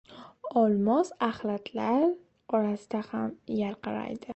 • Olmos axlatlar orasida ham yarqiraydi.